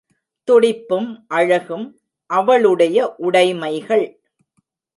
துடிப்பும் அழகும் அவளுடைய உடைமைகள்.